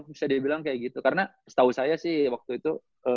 bisa dia bilang kayak gitu karena setahu saya sih waktu itu